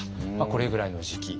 これぐらいの時期。